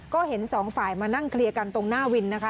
ก็เห็นสองฝ่ายมานั่งเคลียร์กันตรงหน้าวินนะคะ